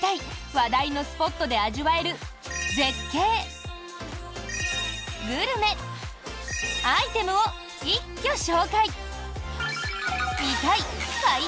話題のスポットで味わえる絶景、グルメ、アイテムを一挙紹介！